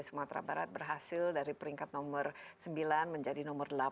sumatera barat berhasil dari peringkat nomor sembilan menjadi nomor delapan